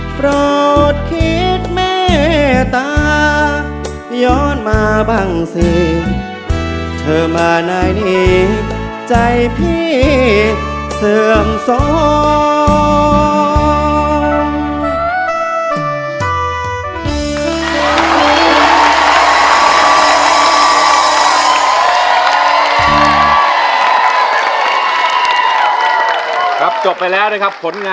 เพราะอดคิดเมตตาย้อนมาบางสิ่ง